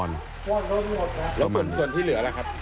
แล้วส่วนที่เหลือล่ะครับ